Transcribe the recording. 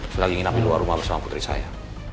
saya lagi ingin ambil luar rumah bersama putri saya